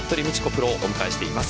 プロをお迎えしています。